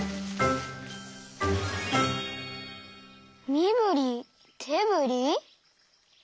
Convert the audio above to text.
「みぶりてぶり」？